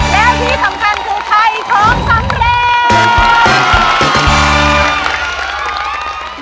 แล้วที่สำคัญคือไทยของสำเร็จ